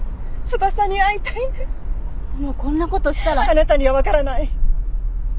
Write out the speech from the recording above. あなたにはわからない！